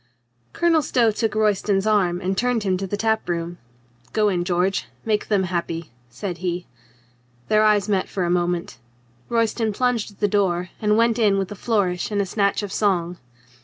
Colonel Stow took Royston's arm and turned him to the tap room. "Go in, George. Make them happy," said he. Their eyes met for a moment. Royston plunged at the door and went in with a flourish and a snatch of song.